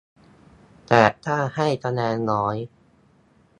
แต่ถ้าให้คะแนนน้อย